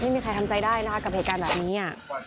ไม่มีใครทำใจได้นะคะกับเหตุการณ์แบบนี้